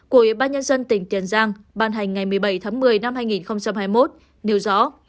của ủy ban nhân dân tỉnh tiền giang ban hành ngày một mươi bảy tháng một mươi năm hai nghìn hai mươi một nêu rõ